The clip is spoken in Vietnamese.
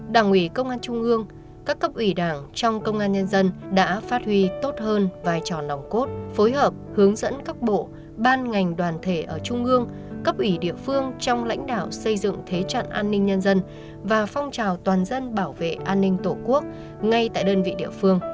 đảng ủy công an trung ương các cấp ủy đảng trong công an nhân dân đã phát huy tốt hơn vai trò nòng cốt phối hợp hướng dẫn các bộ ban ngành đoàn thể ở trung ương cấp ủy địa phương trong lãnh đạo xây dựng thế trận an ninh nhân dân và phong trào toàn dân bảo vệ an ninh tổ quốc ngay tại đơn vị địa phương